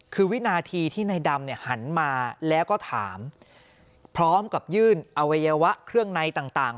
คือวินาทีที่นายดำเนี่ยหันมาแล้วก็ถามพร้อมกับยื่นอวัยวะเครื่องในต่าง